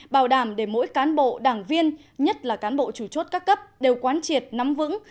bảo đảm để mỗi cán bộ đảng viên nhất là cán bộ chủ chốt các cấp đều quán triệt nắm vững